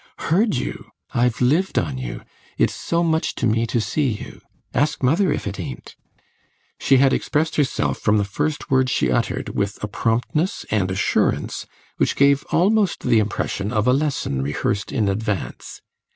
"Heard you? I've lived on you! It's so much to me to see you. Ask mother if it ain't!" She had expressed herself, from the first word she uttered, with a promptness and assurance which gave almost the impression of a lesson rehearsed in advance.